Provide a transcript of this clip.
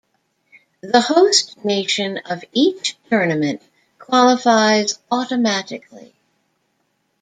The host nation of each tournament qualifies automatically.